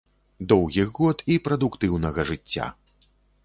Доўгіх год і прадуктыўнага жыцця!